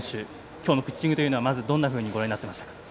今日のピッチングはまずどんなふうにご覧になっていましたか？